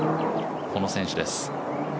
この選手です。